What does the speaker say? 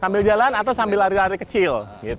sambil jalan atau sambil lari lari kecil